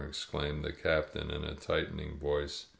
exclaimed the Captain, in a tightening voice.